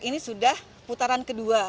ini sudah putaran kedua